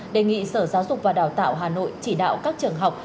đề nghị sở giáo dục và đào tạo hà nội chỉ đạo các trường học